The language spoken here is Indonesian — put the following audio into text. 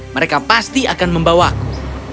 mereka pasti akan membawaku